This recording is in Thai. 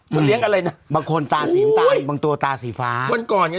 มันเลี้ยงอะไรนะบางคนตาสีน้ำตาลบางตัวตาสีฟ้าวันก่อนไง